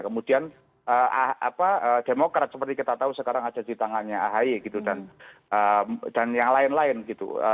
kemudian demokrat seperti kita tahu sekarang ada di tangannya ahy gitu dan yang lain lain gitu